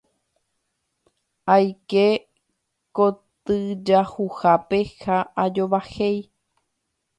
Aike kotyjahuhápe ha ajovahéi.